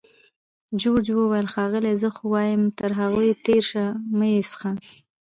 جورج وویل: ښاغلې! زه خو وایم تر هغوی تېر شه، مه یې څښه.